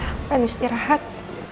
aku pengen istirahat